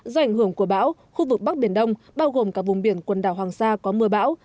do ảnh hưởng của bão khu vực bắc biển đông bao gồm cả vùng biển quần đảo hoàng sa có mưa bão